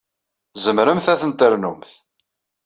Tzemremt ad ten-ternumt.